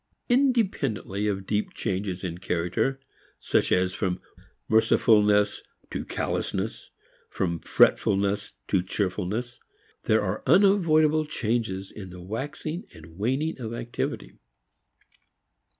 Independently of deep changes in character, such as from mercifulness to callousness, from fretfulness to cheerfulness, there are unavoidable changes in the waxing and waning of activity.